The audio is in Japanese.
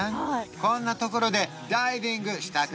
こんなところでダイビングしたくないですか？